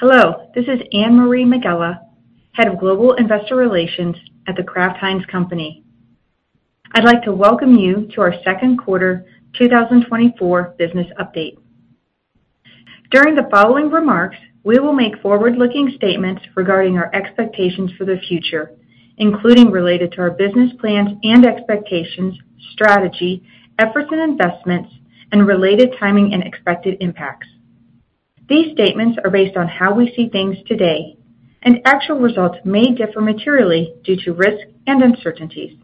Hello, this is Anne-Marie McGlone, Head of Global Investor Relations at The Kraft Heinz Company. I'd like to welcome you to our second quarter 2024 business update. During the following remarks, we will make forward-looking statements regarding our expectations for the future, including related to our business plans and expectations, strategy, efforts and investments, and related timing and expected impacts. These statements are based on how we see things today, and actual results may differ materially due to risks and uncertainties.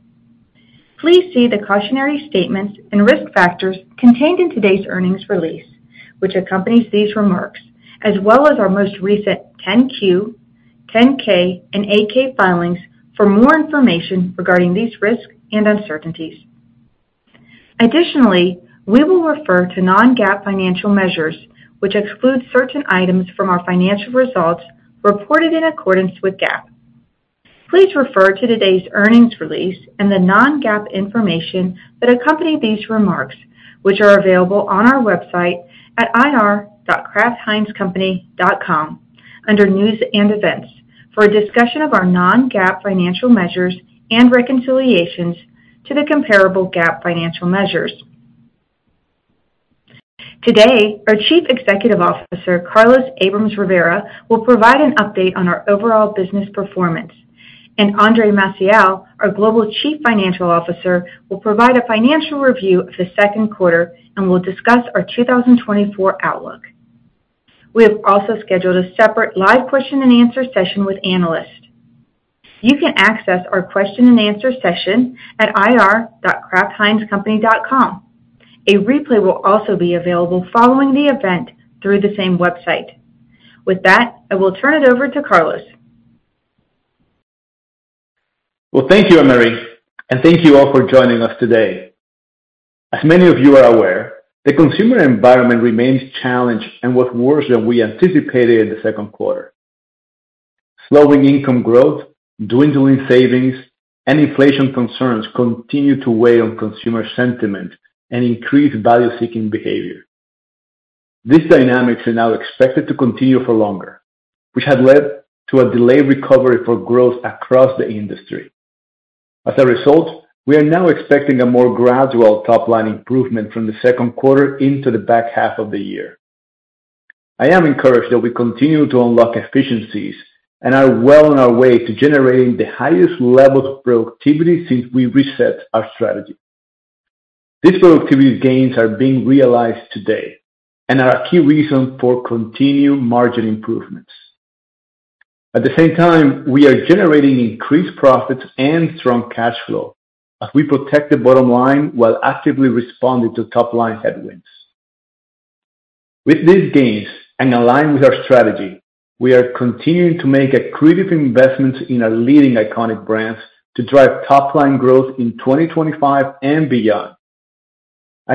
Please see the cautionary statements and risk factors contained in today's earnings release, which accompanies these remarks, as well as our most recent 10-Q, 10-K and 8-K filings for more information regarding these risks and uncertainties. Additionally, we will refer to non-GAAP financial measures, which exclude certain items from our financial results reported in accordance with GAAP. Please refer to today's earnings release and the non-GAAP information that accompany these remarks, which are available on our website at ir.kraftheinzcompany.com under News and Events, for a discussion of our non-GAAP financial measures and reconciliations to the comparable GAAP financial measures. Today, our Chief Executive Officer, Carlos Abrams-Rivera, will provide an update on our overall business performance, and Andre Maciel, our Global Chief Financial Officer, will provide a financial review of the second quarter and will discuss our 2024 outlook. We have also scheduled a separate live question-and-answer session with analysts. You can access our question-and-answer session at ir.kraftheinzcompany.com. A replay will also be available following the event through the same website. With that, I will turn it over to Carlos. Well, thank you, Anne-Marie, and thank you all for joining us today. As many of you are aware, the consumer environment remains challenged and was worse than we anticipated in the second quarter. Slowing income growth, dwindling savings, and inflation concerns continue to weigh on consumer sentiment and increase value-seeking behavior. These dynamics are now expected to continue for longer, which have led to a delayed recovery for growth across the industry. As a result, we are now expecting a more gradual top-line improvement from the second quarter into the back half of the year. I am encouraged that we continue to unlock efficiencies and are well on our way to generating the highest levels of productivity since we reset our strategy. These productivity gains are being realized today and are a key reason for continued margin improvements. At the same time, we are generating increased profits and strong cash flow as we protect the bottom line while actively responding to top-line headwinds. With these gains and aligned with our strategy, we are continuing to make accretive investments in our leading iconic brands to drive top-line growth in 2025 and beyond.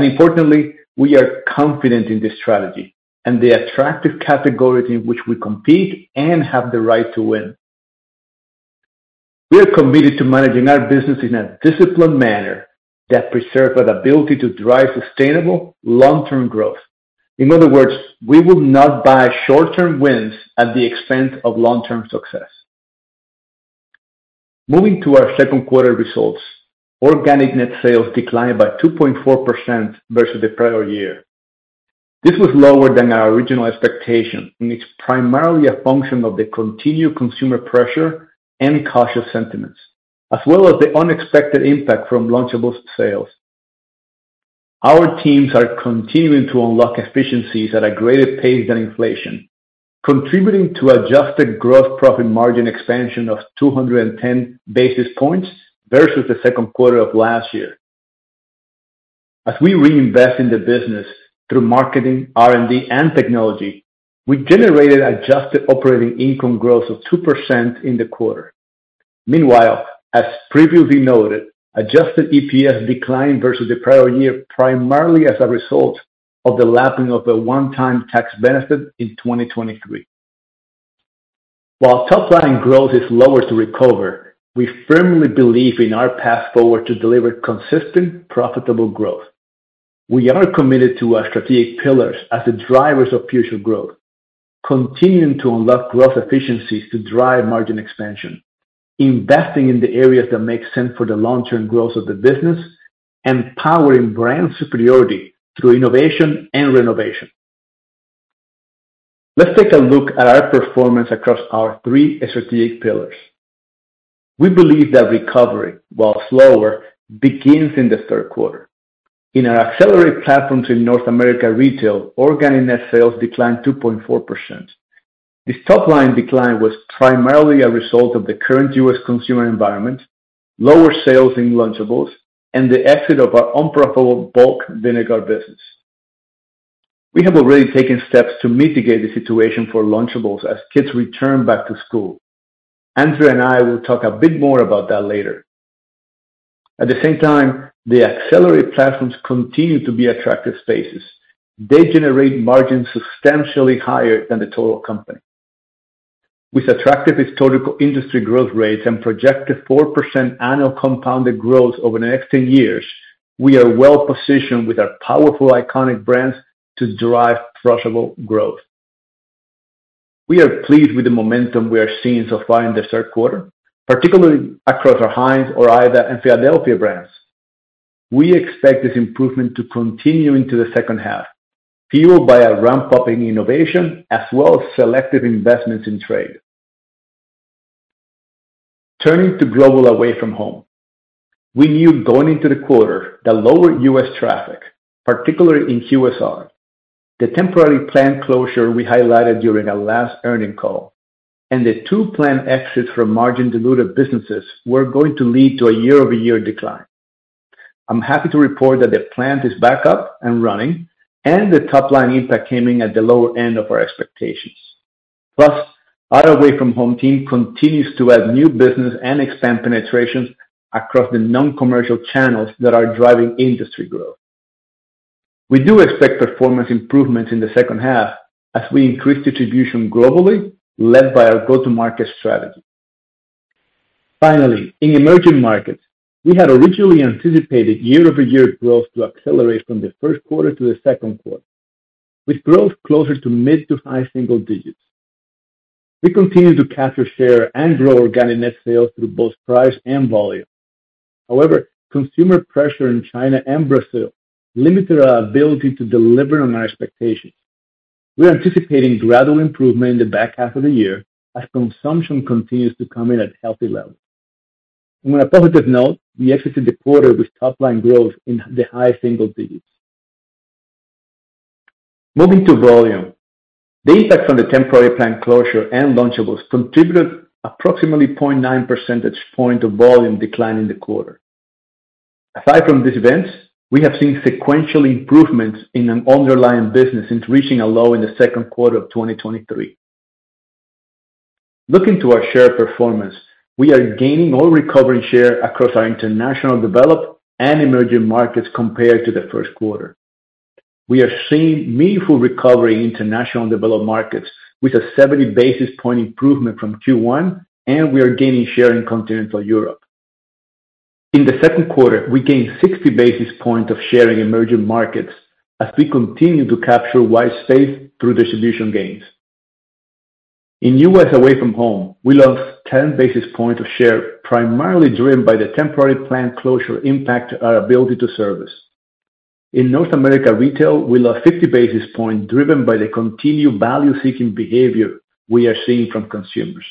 Importantly, we are confident in this strategy and the attractive category in which we compete and have the right to win. We are committed to managing our business in a disciplined manner that preserves our ability to drive sustainable long-term growth. In other words, we will not buy short-term wins at the expense of long-term success. Moving to our second quarter results, organic net sales declined by 2.4% versus the prior year. This was lower than our original expectation, and it's primarily a function of the continued consumer pressure and cautious sentiments, as well as the unexpected impact from Lunchables sales. Our teams are continuing to unlock efficiencies at a greater pace than inflation, contributing to Adjusted Gross Profit Margin expansion of 210 basis points versus the second quarter of last year. As we reinvest in the business through marketing, R&D, and technology, we generated Adjusted Operating Income growth of 2% in the quarter. Meanwhile, as previously noted, Adjusted EPS declined versus the prior year, primarily as a result of the lapping of a one-time tax benefit in 2023. While top-line growth is lower to recover, we firmly believe in our path forward to deliver consistent, profitable growth. We are committed to our strategic pillars as the drivers of future growth, continuing to unlock gross efficiencies to drive margin expansion, investing in the areas that make sense for the long-term growth of the business, and powering brand superiority through innovation and renovation. Let's take a look at our performance across our three strategic pillars. We believe that recovery, while slower, begins in the third quarter. In our accelerated platforms in North America retail, organic net sales declined 2.4%. This top-line decline was primarily a result of the current US consumer environment, lower sales in Lunchables, and the exit of our unprofitable bulk vinegar business. We have already taken steps to mitigate the situation for Lunchables as kids return back to school. Andre and I will talk a bit more about that later. At the same time, the accelerated platforms continue to be attractive spaces. They generate margins substantially higher than the total company. With attractive historical industry growth rates and projected 4% annual compounded growth over the next 10 years, we are well-positioned with our powerful iconic brands to drive profitable growth. We are pleased with the momentum we are seeing so far in the third quarter, particularly across our Heinz, Ore-Ida, and Philadelphia brands. We expect this improvement to continue into the second half, fueled by our ramp-up in innovation as well as selective investments in trade. Turning to global away from home. We knew going into the quarter that lower U.S. traffic, particularly in QSR, the temporary plant closure we highlighted during our last earnings call, and the two plant exits from margin-dilutive businesses were going to lead to a year-over-year decline. I'm happy to report that the plant is back up and running, and the top-line impact came in at the lower end of our expectations. Plus, our away from home team continues to add new business and expand penetration across the non-commercial channels that are driving industry growth. We do expect performance improvements in the second half as we increase distribution globally, led by our go-to-market strategy. Finally, in emerging markets, we had originally anticipated year-over-year growth to accelerate from the first quarter to the second quarter, with growth closer to mid to high single digits. We continue to capture share and grow organic net sales through both price and volume. However, consumer pressure in China and Brazil limited our ability to deliver on our expectations. We are anticipating gradual improvement in the back half of the year as consumption continues to come in at healthy levels. On a positive note, we exited the quarter with top-line growth in the high single digits. Moving to volume. The impact from the temporary plant closure and Lunchables contributed approximately 0.9 percentage point of volume decline in the quarter. Aside from these events, we have seen sequential improvements in an underlying business since reaching a low in the second quarter of 2023. Looking to our share performance, we are gaining or recovering share across our international developed and emerging markets compared to the first quarter. We are seeing meaningful recovery in international developed markets with a 70 basis point improvement from Q1, and we are gaining share in Continental Europe. In the second quarter, we gained 60 basis points of share in emerging markets as we continue to capture wide space through distribution gains. In U.S. away from home, we lost 10 basis points of share, primarily driven by the temporary plant closure impact to our ability to service. In North America retail, we lost 50 basis points, driven by the continued value-seeking behavior we are seeing from consumers.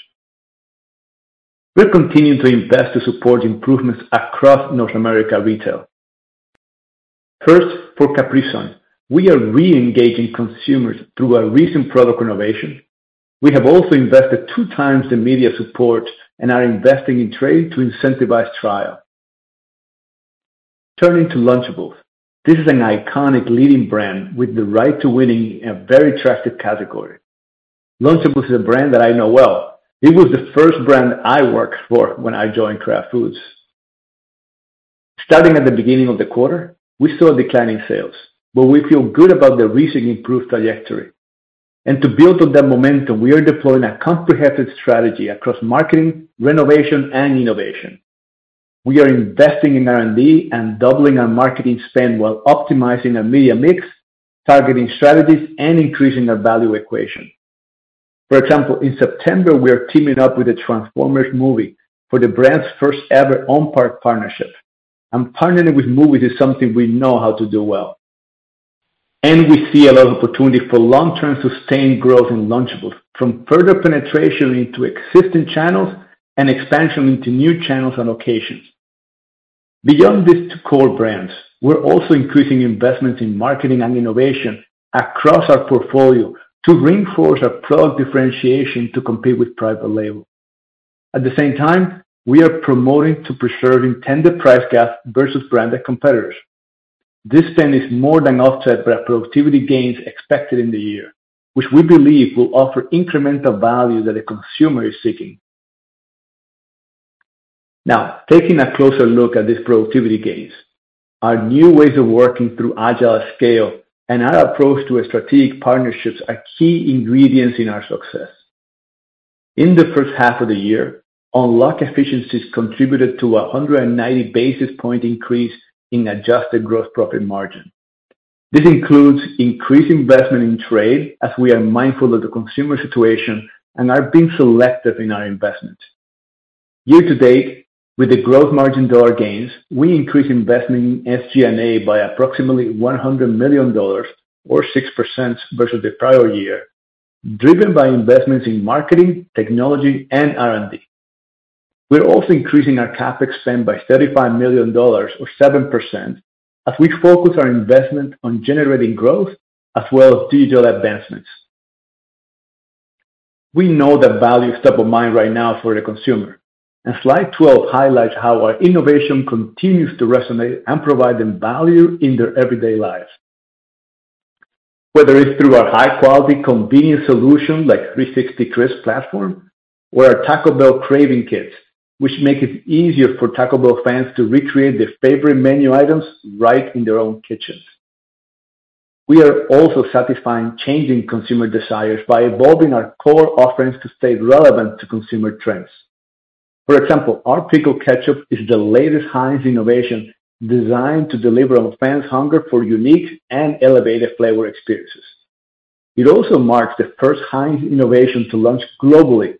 We're continuing to invest to support improvements across North America retail. First, for Capri Sun, we are reengaging consumers through our recent product innovation. We have also invested 2 times the media support and are investing in trade to incentivize trial. Turning to Lunchables, this is an iconic leading brand with the right to winning in a very attractive category. Lunchables is a brand that I know well. It was the first brand I worked for when I joined Kraft Foods. Starting at the beginning of the quarter, we saw a decline in sales, but we feel good about the recent improved trajectory. To build on that momentum, we are deploying a comprehensive strategy across marketing, renovation, and innovation. We are investing in R&D and doubling our marketing spend while optimizing our media mix, targeting strategies, and increasing our value equation. For example, in September, we are teaming up with the Transformers movie for the brand's first-ever on-pack partnership. Partnering with movies is something we know how to do well, and we see a lot of opportunity for long-term, sustained growth in Lunchables, from further penetration into existing channels and expansion into new channels and locations. Beyond these two core brands, we're also increasing investments in marketing and innovation across our portfolio to reinforce our product differentiation to compete with private label. At the same time, we are committed to preserving tighter price gaps versus branded competitors. This spend is more than offset by our productivity gains expected in the year, which we believe will offer incremental value that the consumer is seeking. Now, taking a closer look at this productivity gains, our new ways of working through Agile at Scale and our approach to strategic partnerships are key ingredients in our success. In the first half of the year, unlock efficiencies contributed to a 190 basis point increase in Adjusted Gross Profit Margin. This includes increased investment in trade, as we are mindful of the consumer situation and are being selective in our investments. Year to date, with the gross margin dollar gains, we increased investment in SG&A by approximately $100 million or 6% versus the prior year, driven by investments in marketing, technology, and R&D. We are also increasing our CapEx spend by $35 million or 7%, as we focus our investment on generating growth as well as digital advancements. We know that value is top of mind right now for the consumer, and slide 12 highlights how our innovation continues to resonate and provide them value in their everyday lives. Whether it's through our high-quality, convenient solution like 360CRISP platform, or our Taco Bell Cravings Kits, which make it easier for Taco Bell fans to recreate their favorite menu items right in their own kitchens... We are also satisfying changing consumer desires by evolving our core offerings to stay relevant to consumer trends. For example, our Pickle Ketchup is the latest Heinz innovation designed to deliver on fans' hunger for unique and elevated flavor experiences. It also marks the first Heinz innovation to launch globally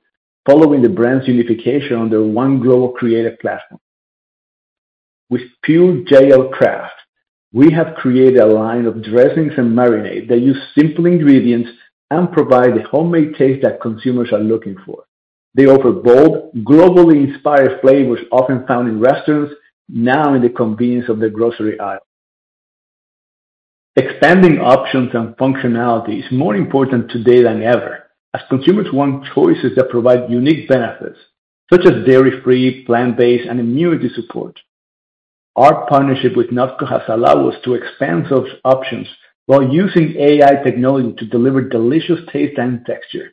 following the brand's unification under one global creative platform. With Pure J.L. KRAFT, we have created a line of dressings and marinades that use simple ingredients and provide the homemade taste that consumers are looking for. They offer bold, globally inspired flavors, often found in restaurants, now in the convenience of the grocery aisle. Expanding options and functionality is more important today than ever, as consumers want choices that provide unique benefits, such as dairy-free, plant-based, and immunity support. Our partnership with NotCo has allowed us to expand those options while using AI technology to deliver delicious taste and texture.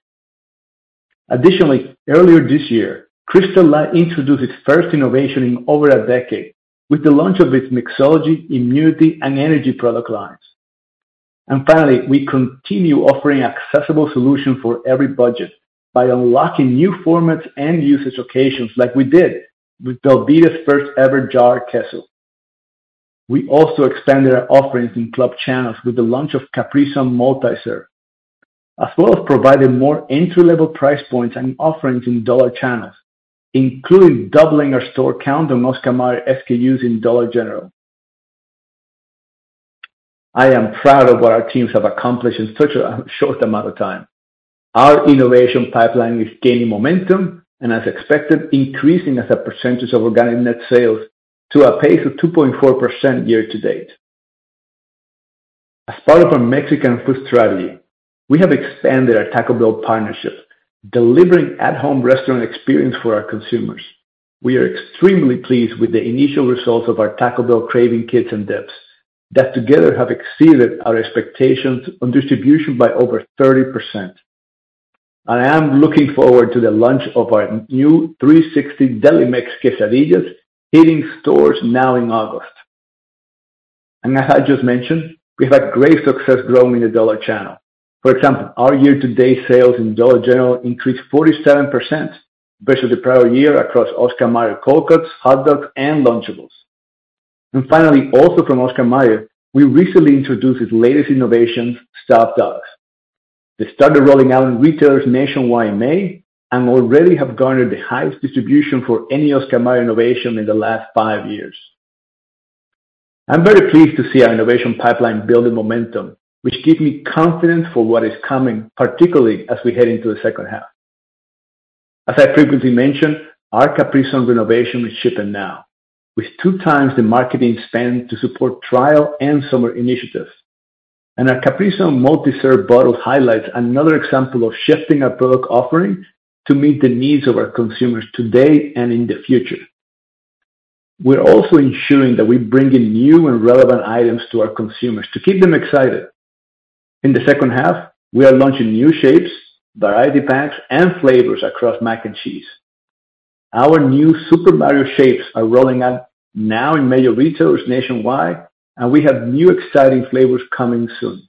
Additionally, earlier this year, Crystal Light introduced its first innovation in over a decade with the launch of its Mixology, Immunity, and Energy product lines. And finally, we continue offering accessible solution for every budget by unlocking new formats and usage occasions like we did with Velveeta's first-ever jarred queso. We also expanded our offerings in club channels with the launch of Capri Sun Multi-Serve, as well as providing more entry-level price points and offerings in dollar channels, including doubling our store count on Oscar Mayer SKUs in Dollar General. I am proud of what our teams have accomplished in such a short amount of time. Our innovation pipeline is gaining momentum and, as expected, increasing as a percentage of organic net sales to a pace of 2.4% year to date. As part of our Mexican food strategy, we have expanded our Taco Bell partnership, delivering at-home restaurant experience for our consumers. We are extremely pleased with the initial results of our Taco Bell Cravings Kits and dips, that together have exceeded our expectations on distribution by over 30%. I am looking forward to the launch of our new 360 Delimex Quesadillas, hitting stores now in August. As I just mentioned, we've had great success growing in the dollar channel. For example, our year-to-date sales in Dollar General increased 47% versus the prior year across Oscar Mayer Cold Cuts, hot dogs, and Lunchables. Finally, also from Oscar Mayer, we recently introduced its latest innovations, Stuffed Dogs. They started rolling out in retailers nationwide in May and already have garnered the highest distribution for any Oscar Mayer innovation in the last 5 years. I'm very pleased to see our innovation pipeline building momentum, which gives me confidence for what is coming, particularly as we head into the second half. As I frequently mention, our Capri Sun renovation is shipping now, with two times the marketing spend to support trial and summer initiatives. And our Capri Sun Multi-Serve bottle highlights another example of shifting our product offering to meet the needs of our consumers today and in the future. We're also ensuring that we bring in new and relevant items to our consumers to keep them excited. In the second half, we are launching new shapes, variety packs, and flavors across Mac and Cheese. Our new Super Mario shapes are rolling out now in major retailers nationwide, and we have new exciting flavors coming soon.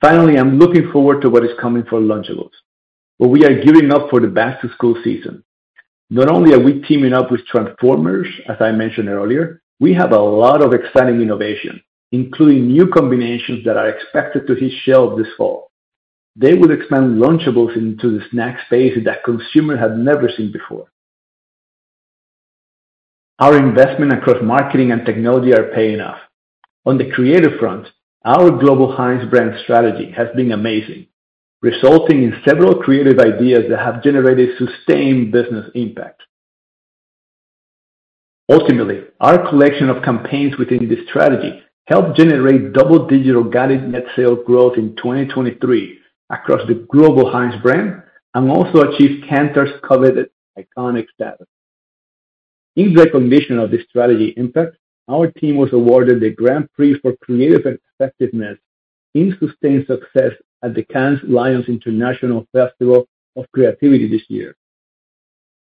Finally, I'm looking forward to what is coming for Lunchables, where we are gearing up for the back-to-school season. Not only are we teaming up with Transformers, as I mentioned earlier, we have a lot of exciting innovation, including new combinations that are expected to hit shelves this fall. They will expand Lunchables into the snack space that consumers have never seen before. Our investment across marketing and technology are paying off. On the creative front, our global Heinz Brand strategy has been amazing, resulting in several creative ideas that have generated sustained business impact. Ultimately, our collection of campaigns within this strategy helped generate double-digit organic net sales growth in 2023 across the global Heinz brand and also achieved Kantar's coveted iconic status. In recognition of the strategy impact, our team was awarded the Grand Prix for Creative Effectiveness in Sustained Success at the Cannes Lions International Festival of Creativity this year.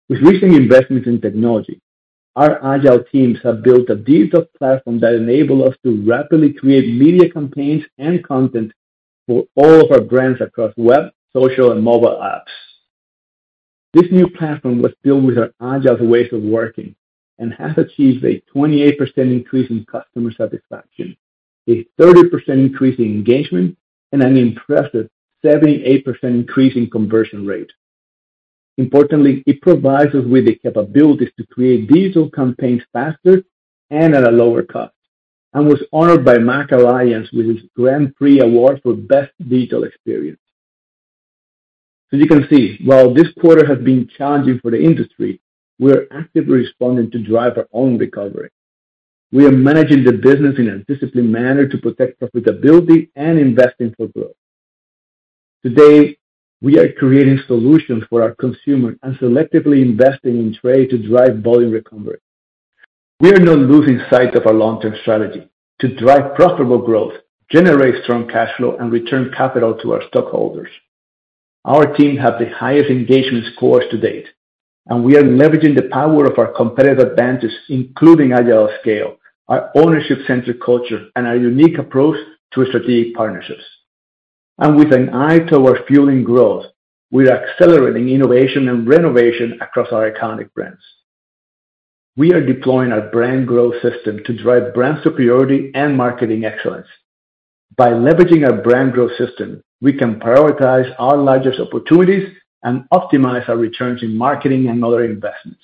With recent investments in technology, our agile teams have built a digital platform that enables us to rapidly create media campaigns and content for all of our brands across web, social, and mobile apps. This new platform was built with our agile ways of working and has achieved a 28% increase in customer satisfaction, a 30% increase in engagement, and an impressive 78% increase in conversion rate. Importantly, it provides us with the capabilities to create digital campaigns faster and at a lower cost, and was honored by MACH Alliance with its Grand Prix Award for Best Digital Experience. As you can see, while this quarter has been challenging for the industry, we are actively responding to drive our own recovery. We are managing the business in a disciplined manner to protect profitability and investing for growth. Today, we are creating solutions for our consumers and selectively investing in trade to drive volume recovery. We are not losing sight of our long-term strategy to drive profitable growth, generate strong cash flow, and return capital to our stockholders.... Our team have the highest engagement scores to date, and we are leveraging the power of our competitive advantages, including Agile at Scale, our ownership-centric culture, and our unique approach to strategic partnerships. And with an eye towards fueling growth, we are accelerating innovation and renovation across our iconic brands. We are deploying our Brand Growth System to drive brand superiority and marketing excellence. By leveraging our Brand Growth System, we can prioritize our largest opportunities and optimize our returns in marketing and other investments.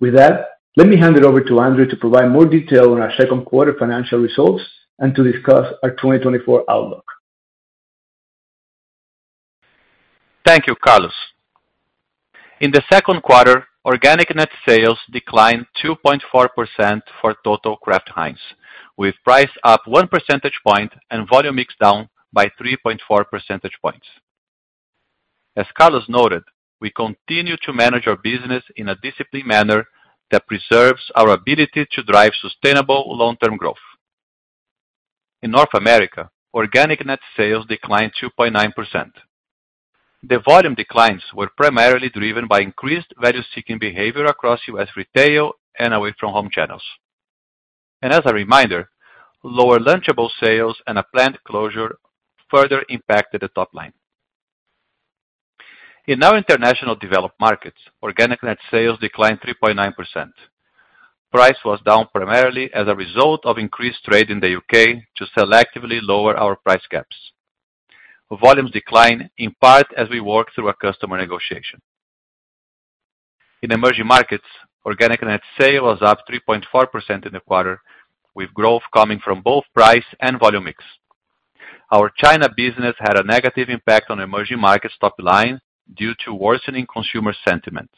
With that, let me hand it over to Andre to provide more detail on our second quarter financial results and to discuss our 2024 outlook. Thank you, Carlos. In the second quarter, Organic Net Sales declined 2.4% for total Kraft Heinz, with price up 1 percentage point and volume mix down by 3.4 percentage points. As Carlos noted, we continue to manage our business in a disciplined manner that preserves our ability to drive sustainable long-term growth. In North America, Organic Net Sales declined 2.9%. The volume declines were primarily driven by increased value-seeking behavior across U.S. retail and away from home channels. And as a reminder, lower Lunchables sales and a planned closure further impacted the top line. In our International Developed Markets, Organic Net Sales declined 3.9%. Price was down primarily as a result of increased trade in the U.K. to selectively lower our price gaps. Volumes decline in part as we work through a customer negotiation. In emerging markets, organic net sales was up 3.4% in the quarter, with growth coming from both price and volume mix. Our China business had a negative impact on emerging markets top line due to worsening consumer sentiment.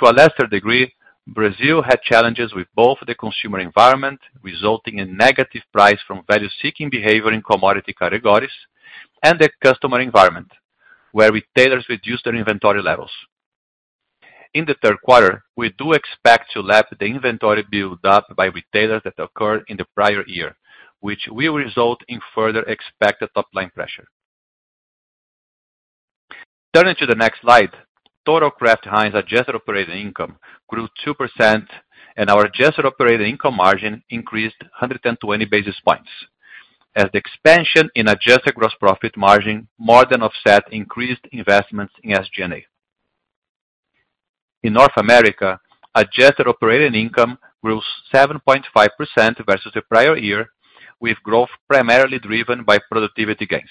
To a lesser degree, Brazil had challenges with both the consumer environment, resulting in negative price from value-seeking behavior in commodity categories, and the customer environment, where retailers reduced their inventory levels. In the third quarter, we do expect to lap the inventory build-up by retailers that occurred in the prior year, which will result in further expected top-line pressure. Turning to the next slide, total Kraft Heinz adjusted operating income grew 2%, and our adjusted operating income margin increased 120 basis points, as the expansion in adjusted gross profit margin more than offset increased investments in SG&A. In North America, adjusted operating income grew 7.5% versus the prior year, with growth primarily driven by productivity gains.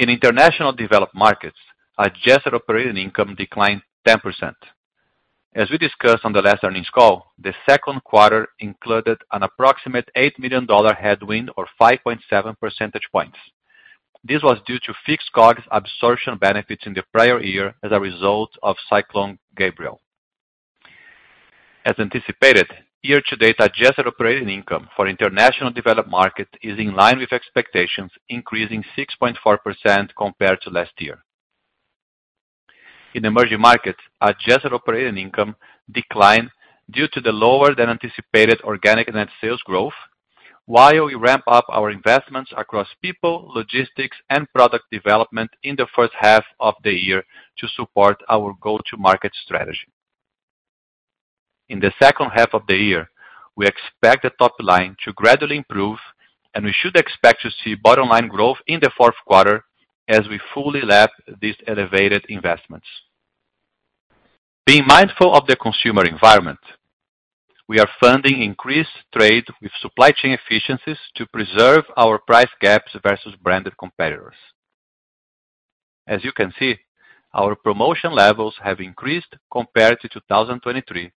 In International Developed Markets, adjusted operating income declined 10%. As we discussed on the last earnings call, the second quarter included an approximate $8 million headwind, or 5.7 percentage points. This was due to fixed COGS absorption benefits in the prior year as a result of Cyclone Gabrielle. As anticipated, year-to-date adjusted operating income for International Developed Markets is in line with expectations, increasing 6.4% compared to last year. In emerging markets, adjusted operating income declined due to the lower than anticipated organic net sales growth, while we ramp up our investments across people, logistics, and product development in the first half of the year to support our go-to-market strategy. In the second half of the year, we expect the top line to gradually improve, and we should expect to see bottom line growth in the fourth quarter as we fully lap these elevated investments. Being mindful of the consumer environment, we are funding increased trade with supply chain efficiencies to preserve our price gaps versus branded competitors. As you can see, our promotion levels have increased compared to 2023,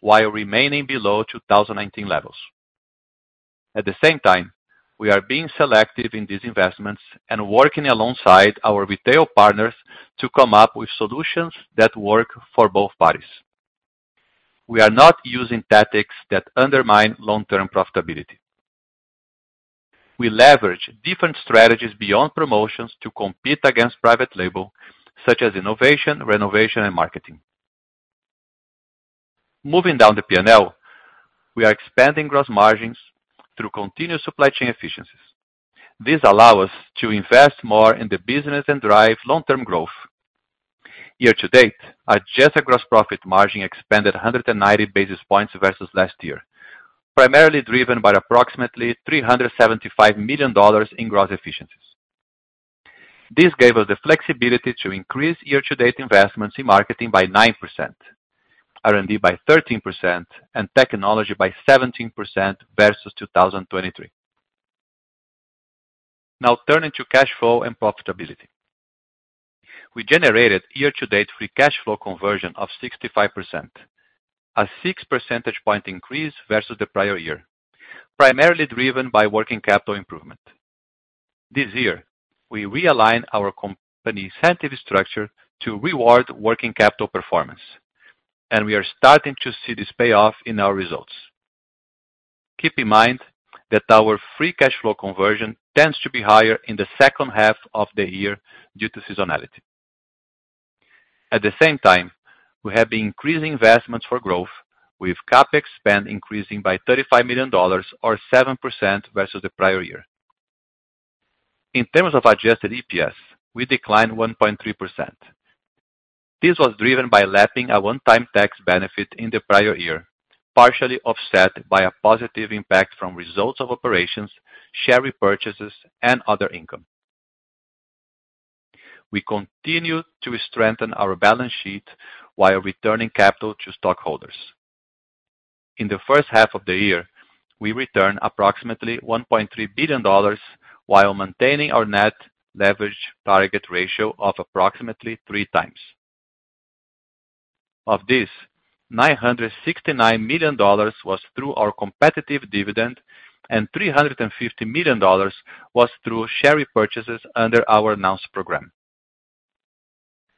while remaining below 2019 levels. At the same time, we are being selective in these investments and working alongside our retail partners to come up with solutions that work for both parties. We are not using tactics that undermine long-term profitability. We leverage different strategies beyond promotions to compete against private label, such as innovation, renovation, and marketing. Moving down the P&L, we are expanding gross margins through continuous supply chain efficiencies. These allow us to invest more in the business and drive long-term growth. Year to date, adjusted gross profit margin expanded 100 basis points versus last year, primarily driven by approximately $375 million in gross efficiencies. This gave us the flexibility to increase year-to-date investments in marketing by 9%, R&D by 13%, and technology by 17% versus 2023. Now turning to cash flow and profitability. We generated year-to-date free cash flow conversion of 65%, a 6 percentage point increase versus the prior year, primarily driven by working capital improvement. This year, we realigned our company incentive structure to reward working capital performance, and we are starting to see this pay off in our results. Keep in mind that our free cash flow conversion tends to be higher in the second half of the year due to seasonality. At the same time, we have been increasing investments for growth, with CapEx spend increasing by $35 million or 7% versus the prior year. In terms of adjusted EPS, we declined 1.3%. This was driven by lapping a one-time tax benefit in the prior year, partially offset by a positive impact from results of operations, share repurchases, and other income. We continue to strengthen our balance sheet while returning capital to stockholders. In the first half of the year, we returned approximately $1.3 billion while maintaining our net leverage target ratio of approximately 3x. Of this, $969 million was through our competitive dividend, and $350 million was through share repurchases under our announced program.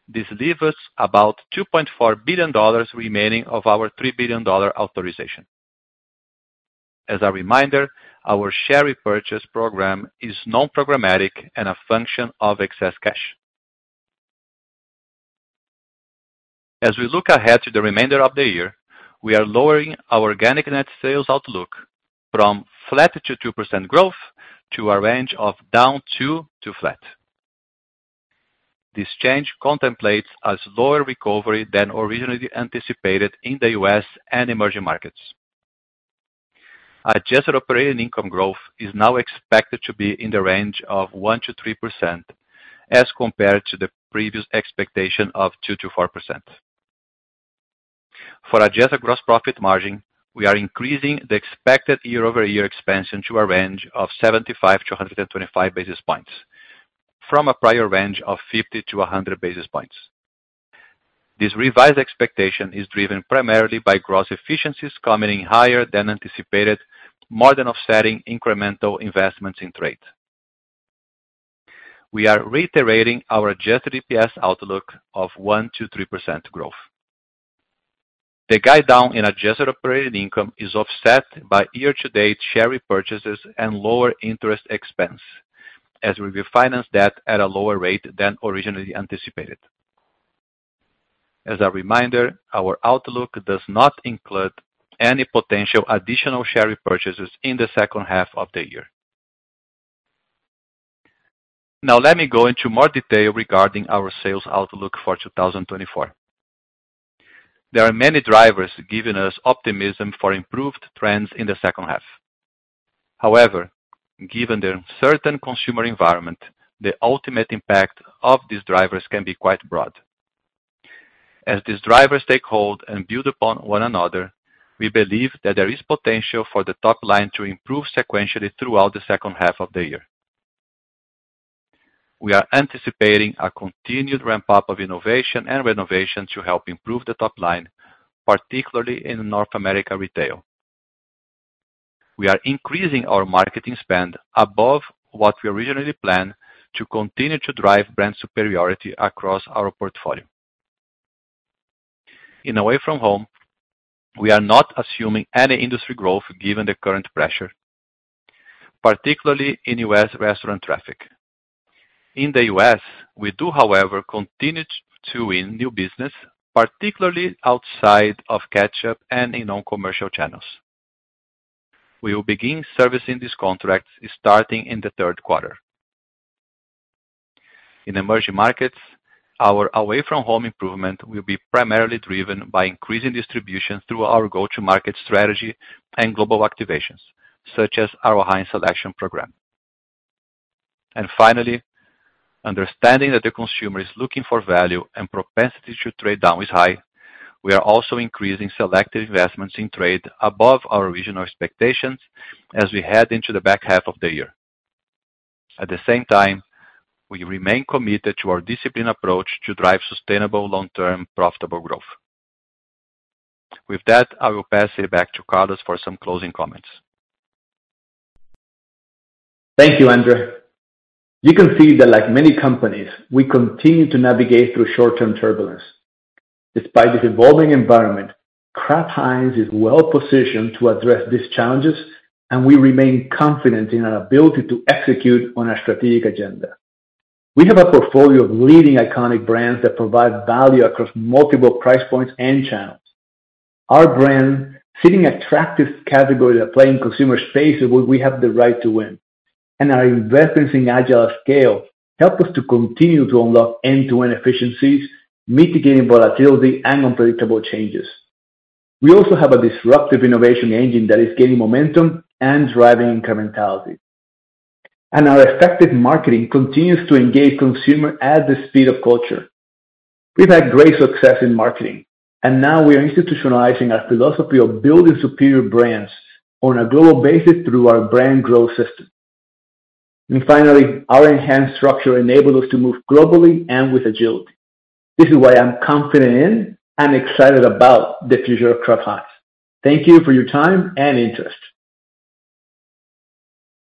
This leaves us about $2.4 billion remaining of our $3 billion authorization. As a reminder, our share repurchase program is non-programmatic and a function of excess cash. As we look ahead to the remainder of the year, we are lowering our organic net sales outlook from flat to 2% growth to a range of down 2% to flat. This change contemplates a slower recovery than originally anticipated in the U.S. and emerging markets. Adjusted operating income growth is now expected to be in the range of 1%-3%, as compared to the previous expectation of 2%-4%. For adjusted gross profit margin, we are increasing the expected year-over-year expansion to a range of 75-125 basis points, from a prior range of 50-100 basis points. This revised expectation is driven primarily by gross efficiencies coming in higher than anticipated, more than offsetting incremental investments in trade. We are reiterating our adjusted EPS outlook of 1%-3% growth. The guide down in adjusted operating income is offset by year-to-date share repurchases and lower interest expense, as we refinance debt at a lower rate than originally anticipated. As a reminder, our outlook does not include any potential additional share repurchases in the second half of the year. Now, let me go into more detail regarding our sales outlook for 2024. There are many drivers giving us optimism for improved trends in the second half. However, given the uncertain consumer environment, the ultimate impact of these drivers can be quite broad. As these drivers take hold and build upon one another, we believe that there is potential for the top line to improve sequentially throughout the second half of the year. We are anticipating a continued ramp-up of innovation and renovation to help improve the top line, particularly in North America retail. We are increasing our marketing spend above what we originally planned to continue to drive brand superiority across our portfolio. In away from home, we are not assuming any industry growth, given the current pressure, particularly in U.S. restaurant traffic. In the U.S., we do, however, continue to win new business, particularly outside of ketchup and in non-commercial channels. We will begin servicing these contracts starting in the third quarter. In emerging markets, our away from home improvement will be primarily driven by increasing distribution through our go-to-market strategy and global activations, such as our Heinz Selection program. And finally, understanding that the consumer is looking for value and propensity to trade down is high, we are also increasing selective investments in trade above our original expectations as we head into the back half of the year. At the same time, we remain committed to our disciplined approach to drive sustainable, long-term, profitable growth. With that, I will pass it back to Carlos for some closing comments. Thank you, Andre. You can see that like many companies, we continue to navigate through short-term turbulence. Despite this evolving environment, Kraft Heinz is well positioned to address these challenges, and we remain confident in our ability to execute on our strategic agenda. We have a portfolio of leading iconic brands that provide value across multiple price points and channels. Our brands sit in attractive categories that play in consumer space where we have the right to win, and our investments in Agile at Scale help us to continue to unlock end-to-end efficiencies, mitigating volatility and unpredictable changes. We also have a disruptive innovation engine that is gaining momentum and driving incrementality. Our effective marketing continues to engage consumers at the speed of culture. We've had great success in marketing, and now we are institutionalizing our philosophy of building superior brands on a global basis through our Brand Growth System. Finally, our enhanced structure enables us to move globally and with agility. This is why I'm confident in and excited about the future of Kraft Heinz. Thank you for your time and interest.